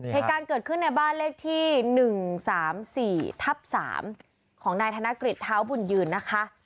เหตุการณ์เกิดขึ้นในบ้านเลขที่๑๓๔ทับ๓ของนายธนกฤษเท้าบุญยืนนะคะ